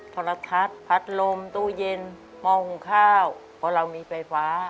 โทรทัศน์พัดลมตู้เย็นหม้อหุงข้าวเพราะเรามีไฟฟ้า